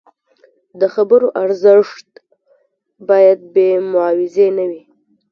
د خبرو ارزښت باید بې معاوضې نه وي.